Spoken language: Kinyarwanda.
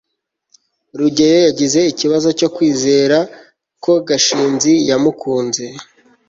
rugeyo yagize ikibazo cyo kwizera ko gashinzi yamukunze